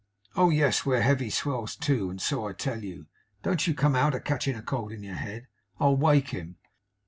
'Oh yes! We're heavy swells too, and so I tell you. Don't you come out, a catching cold in your head. I'll wake him!